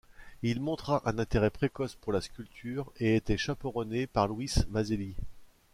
Il montra un intérêt précoce pour la sculpture et était chaperonné par Luis Vasseli.